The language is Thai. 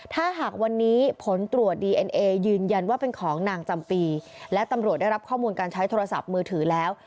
ถ้าหากวันนี้ผลตรวจดีเอ็นเอยืนยันว่าเป็นของนางจำปีและตำรวจได้รับข้อมูลการใช้โทรศัพท์มือถือแล้ว